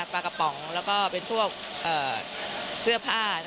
ปลากระป๋องแล้วก็เป็นพวกเสื้อผ้า